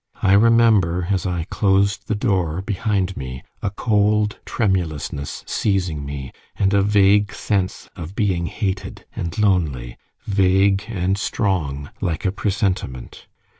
I remember, as I closed the door behind me, a cold tremulousness seizing me, and a vague sense of being hated and lonely vague and strong, like a presentiment.